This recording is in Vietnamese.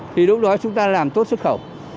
thì lúc đó chúng ta làm tốt xuất khẩu